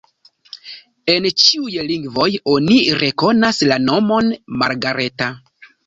En ĉiuj lingvoj oni rekonas la nomon Margareta.